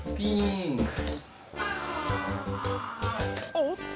おっと！